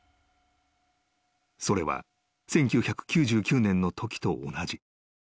［それは１９９９年のときと同じ］